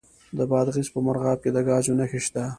د بادغیس په مرغاب کې د ګازو نښې شته.